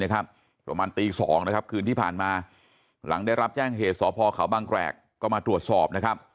ประมาณตี๒นะครับคืนที่ผ่านมาหลังได้รับแจ้งเหตุสพเขาบางแกรกก็มาตรวจสอบนะครับ